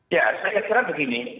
ya saya kira begini